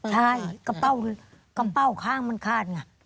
ใช่กระเป้าข้างมันคาดไง